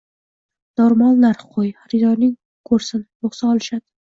Normal narx qo‘y, xaridorlaring ko‘rsin, yoqsa olishadi.